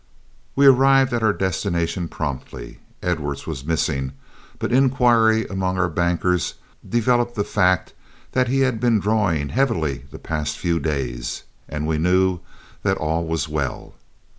We arrived at our destination promptly. Edwards was missing, but inquiry among our bankers developed the fact that he had been drawing heavily the past few days, and we knew that all was well.